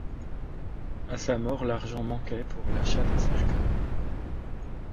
À sa mort, l'argent manquait pour l'achat d'un cercueil.